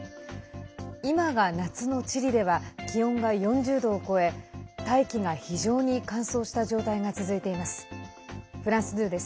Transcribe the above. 今が夏のチリでは気温が４０度を超え大気が非常に乾燥した状態が続いています。